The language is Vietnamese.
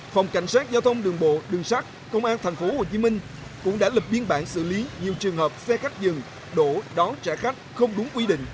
phòng cảnh sát giao thông đường bộ đường sát công an tp hcm cũng đã lập biên bản xử lý nhiều trường hợp xe khách dừng đổ đón trả khách không đúng quy định